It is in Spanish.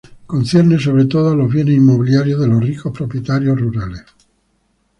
Concierne sobre todo a los bienes inmobiliarios de los ricos propietarios rurales.